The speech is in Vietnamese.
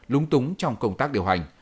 lúng túng trong công tác điều hành